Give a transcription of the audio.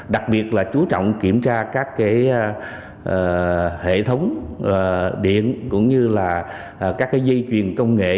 đặc biệt là chú trọng kiểm tra các hệ thống điện cũng như là các dây chuyền công nghệ